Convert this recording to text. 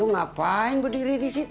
ngapain berdiri di situ